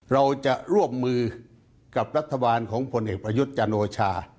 เราจะร่วมมือกับรัฐบาลของผลเอกประยุทธ์จันโอชา